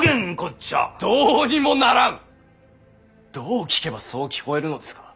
どう聞けばそう聞こえるのですか？